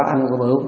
anh của bữa